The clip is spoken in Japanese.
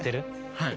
はい。